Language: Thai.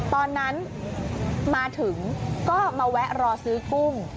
ตอนนั้นมาถึงก็มาแวะรอซื้อกุ้ง